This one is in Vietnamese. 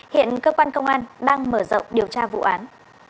hiện cơ quan công an đang mở rộng điều tra vụ án